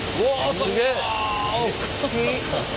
すげえ！